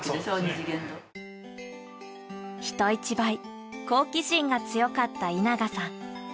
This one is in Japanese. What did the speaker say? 人一倍好奇心が強かった稲賀さん。